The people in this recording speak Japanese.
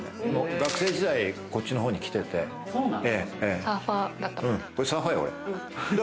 学生時代こっちの方に来てて、サーファーよ、俺。